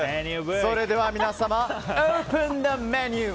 それでは、オープンザメニュー。